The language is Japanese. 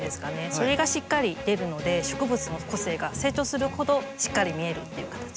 それがしっかり出るので植物の個性が成長するほどしっかり見えるっていう形。